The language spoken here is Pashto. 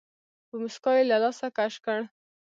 په موسکا يې له لاسه کش کړ.